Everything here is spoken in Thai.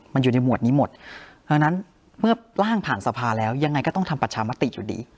มันอยู่ในหมวดนี้หมดดังนั้นเมื่อร่างผ่านสภาแล้วยังไงก็ต้องทำประชามติอยู่ดี